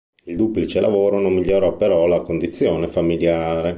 Il duplice lavoro non migliorò però la condizione familiare.